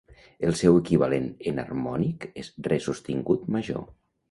El seu equivalent enharmònic és re sostingut major.